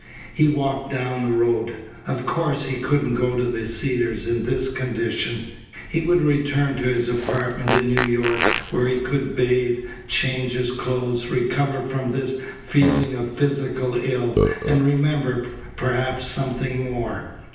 He walked down the road. Of course he couldn't go to the Cedars in this condition. He would return to his apartment in New York where he could bathe, change his clothes, recover from this feeling of physical ill, and remember, perhaps, something more.